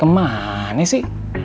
tidak ada yang bisa dikira